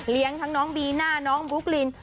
เลี้ยงทั้งน้องบีน่าน้องบลูกลิ้น